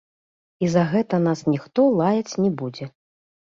І за гэта нас ніхто лаяць не будзе!